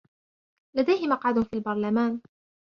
لديه مقعد في البرلمان.